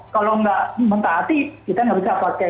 kalau gak mentah hati kita gak usah pakai telepon